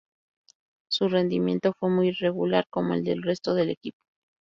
Su rendimiento fue muy irregular como el del resto del equipo.